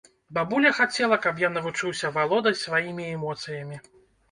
Бабуля хацела, каб я навучыўся валодаць сваімі эмоцыямі.